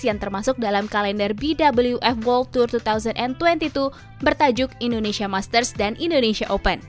yang termasuk dalam kalender bwf world tour dua ribu dua puluh dua bertajuk indonesia masters dan indonesia open